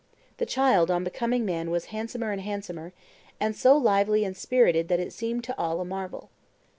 The child on becoming man was handsomer and handsomer, "and so lively and spirited that it seemed to all a marvel."